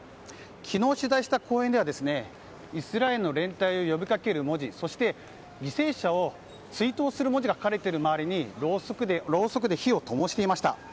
昨日、取材した公園ではイスラエルの連帯を呼びかける文字そして犠牲者を追悼する文字が書かれている周りにろうそくで火をともしていました。